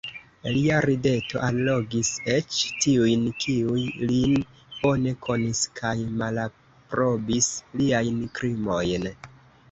Lia rideto allogis eĉ tiujn, kiuj lin bone konis kaj malaprobis liajn krimojn.